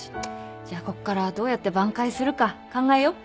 じゃあこっからどうやって挽回するか考えよう